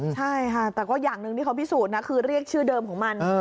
ใช่ค่ะแต่ก็อย่างหนึ่งที่เขาพิสูจน์นะคือเรียกชื่อเดิมของมัน